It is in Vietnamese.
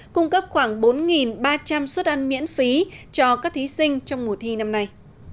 cung cấp khoảng bốn ba trăm linh suất ăn miễn phí cho các thí sinh trong mùa thi năm nay